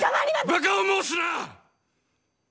バカを申すな！